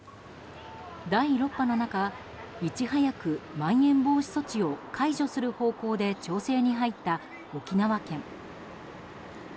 第６波の中、いち早くまん延防止措置を解除する方向で調整に入った沖縄県。